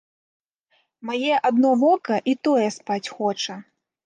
Мае адно вока і тое спаць хоча.